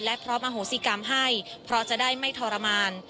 และพร้อมอโหสิกรรมให้เพราะจะได้ไม่ทรมาน